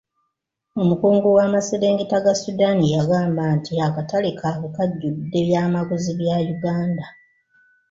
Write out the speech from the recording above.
Omukungu w'amaserengeta ga Sudan yang'amba nti akatale kaabwe kajjudde byamaguzi bya Uganda .